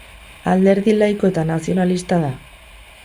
Alderdi laiko eta nazionalista da.